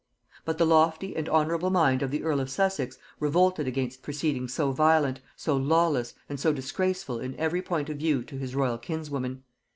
But the lofty and honorable mind of the earl of Sussex revolted against proceedings so violent, so lawless, and so disgraceful in every point of view to his royal kinswoman.